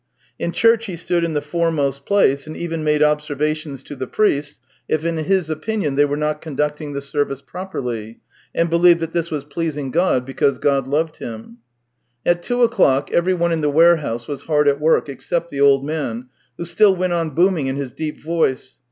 In church he stood in the foremost place, and even made ob servations to the priests, if in his opinion they were not conducting the service properly, and believed that this was pleasing to God because God loved him. At two o'clock everyone in the warehouse was hard at work, except the old man, who still went on booming in his deep voice.